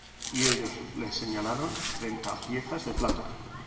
Y ellos le señalaron treinta piezas de plata.